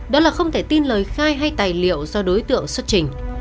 đó là không thể tin lời khai hay tài liệu do đối tượng xuất trình